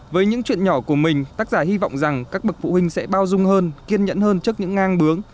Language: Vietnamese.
với những chuyện nhỏ của mình tác giả hy vọng rằng các bậc phụ huynh sẽ bao dung hơn kiên nhẫn hơn trước những ngang bướng